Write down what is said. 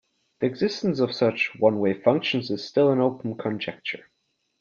The existence of such one-way functions is still an open conjecture.